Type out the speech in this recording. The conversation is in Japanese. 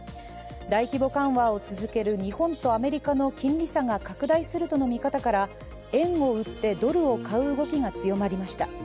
大規模緩和を続ける日本とアメリカの金利差が拡大するとの見方から円を売ってドルを買う動きが強まりました。